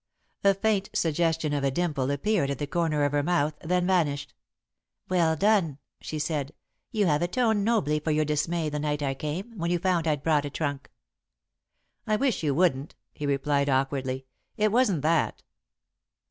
A faint suggestion of a dimple appeared at the corner of her mouth, then vanished. "Well done," she said. "You have atoned nobly for your dismay the night I came, when you found I'd brought a trunk." "I wish you wouldn't," he replied, awkwardly. "It wasn't that."